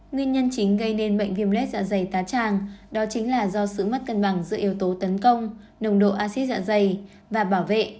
nguyên nhân chính gây nên bệnh viêm lết dạ dày tá tràng đó chính là do sự mất cân bằng giữa yếu tố tấn công nồng độ acid dạ dày và bảo vệ